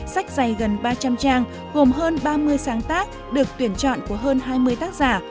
sách dày gần ba trăm linh trang gồm hơn ba mươi sáng tác được tuyển chọn của hơn hai mươi tác giả